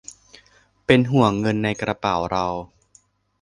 เป็นห่วงเงินในกระเป๋าเรา